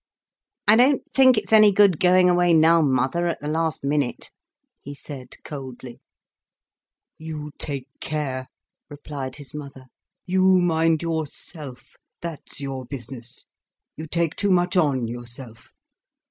"I don't think it's any good going away now, mother, at the last minute," he said, coldly. "You take care," replied his mother. "You mind yourself—that's your business. You take too much on yourself.